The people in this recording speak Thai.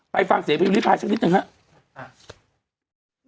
ไปฟังเสียผิดผลิตภัยสักนิดหนึ่งครับ